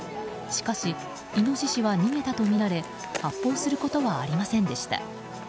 しかし、イノシシは逃げたとみられ発砲することはありませんでした。